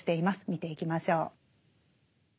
見ていきましょう。